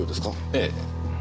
ええ。